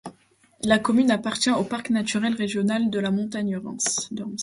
La commune appartient au parc naturel régional de la Montagne de Reims.